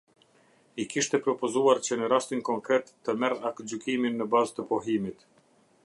I kishte propozuar që në rastin konkret të merr aktgjykimin në bazë të pohimit.